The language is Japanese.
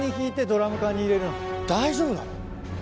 大丈夫なの？